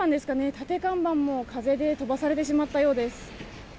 立て看板も風で飛ばされてしまったようです。